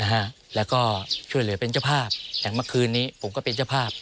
แล้วก็ช่วยเหลือเป็นเจ้าภาพอย่างเมื่อคืนนี้ผมก็เป็นเจ้าภาพ